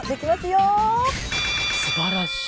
素晴らしい。